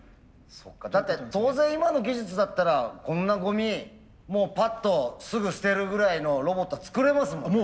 そっかだって当然今の技術だったらこんなゴミもうパッとすぐ捨てるぐらいのロボット作れますもんね。